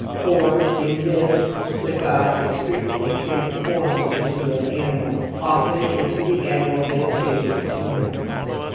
4.1n myths the god is frequently transformed into an animal, often into the animal that is sacred to him.